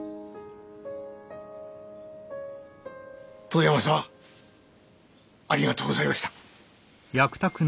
遠山様ありがとうございました。